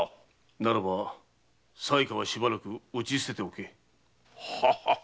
ならば裁可はしばらく打ち捨てておけ。